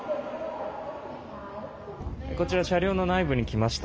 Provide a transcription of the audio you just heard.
こちら車両の内部に来ました。